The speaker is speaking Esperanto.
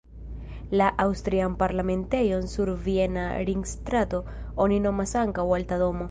La aŭstrian parlamentejon sur Viena Ringstrato oni nomas ankaŭ Alta Domo.